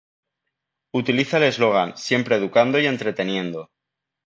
Utiliza el eslogan "Siempre educando y entreteniendo".